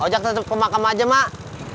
hojak tetep ke makam aja mak